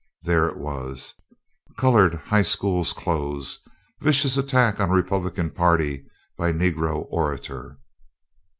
There it was, "Colored High Schools Close Vicious Attack on Republican Party by Negro Orator."